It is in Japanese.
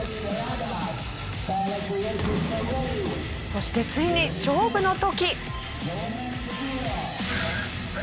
そしてついに勝負の時。